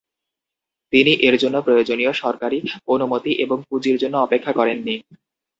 তিনি এর জন্য প্রয়োজনীয় সরকারী অনুমতি এবং পুঁজির জন্য অপেক্ষা করেননি।